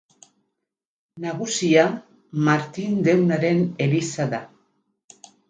Nagusia Martin Deunaren Eliza da.